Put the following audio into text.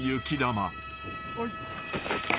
はい。